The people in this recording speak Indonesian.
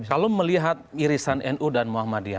kalau melihat irisan nu dan muhammadiyah